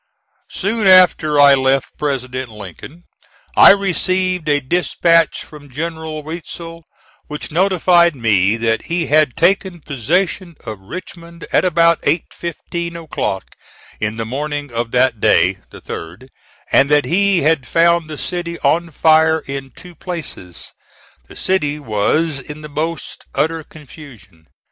Soon after I left President Lincoln I received a dispatch from General Weitzel which notified me that he had taken possession of Richmond at about 8.15 o'clock in the morning of that day, the 3d, and that he had found the city on fire in two places. The city was in the most utter confusion.